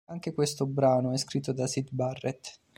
Anche questo brano è scritto da Syd Barrett.